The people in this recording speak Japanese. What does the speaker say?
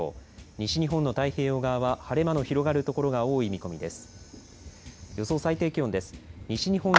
西日本の太平洋側は晴れ間の広がるところが多い見込みです。